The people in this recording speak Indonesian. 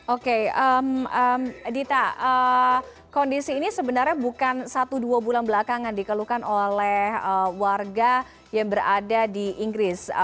oke dita kondisi ini sebenarnya bukan satu dua bulan belakangan dikeluhkan oleh warga yang berada di inggris